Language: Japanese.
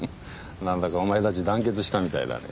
なんだかお前たち団結したみたいだね